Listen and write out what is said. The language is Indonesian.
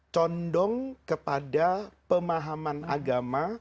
condong kepada pemahaman agama